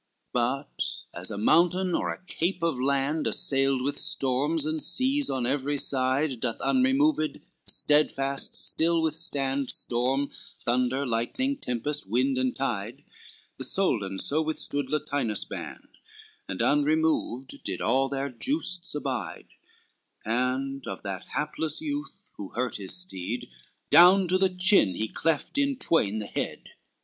XXXI But as a mountain or a cape of land Assailed with storms and seas on every side, Doth unremoved, steadfast, still withstand Storm, thunder, lightning, tempest, wind, and tide: The Soldan so withstood Latinus' band, And unremoved did all their justs abide, And of that hapless youth, who hurt his steed, Down to the chin he cleft in twain the head.